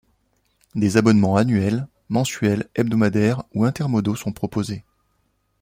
Des abonnements annuels, mensuels, hebdomadaires ou intermodaux sont proposés.